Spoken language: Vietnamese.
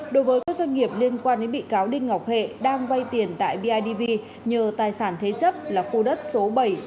đối với các doanh nghiệp liên quan đến bị cáo đinh ngọc hệ đang vay tiền tại bidv nhờ tài sản thế chấp là khu đất số bảy